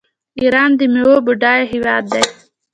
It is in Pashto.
ایران د میوو بډایه هیواد دی.